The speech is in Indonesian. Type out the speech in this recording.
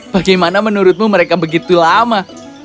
bagaimana menurutmu mereka begitu lama